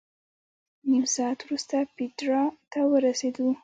نیم ساعت وروسته پېټرا ته ورسېدو.